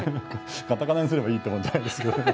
カタカナにすればいいってもんじゃないですけどね。